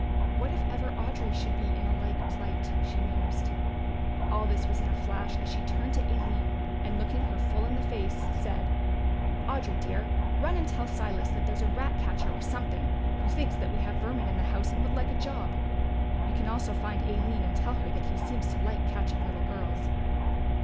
"What if ever Audry should be in a like plight?" she mused. All this was in a flash, as she turned to Aline and looking her full in the face, said, "Audry, dear, run and tell Silas that there's a ratcatcher or something, who thinks that we have vermin in the house and would like a job. You can also find Aline and tell her that he seems to like catching little girls."